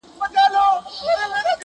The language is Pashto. خېر بـــادشاهي دې کوه خپله خلک مۀ مړۀ کوه